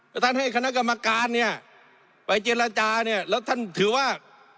แล้วท่านให้คณะกรรมการเนี่ยไปเจรจาเนี่ยแล้วท่านถือว่า